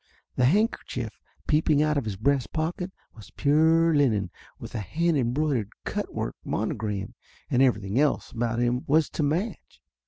The handkerchief peep ing out of his breast pocket was pure linen with a hand embroidered cut work monogram, and every thing else about him was to match.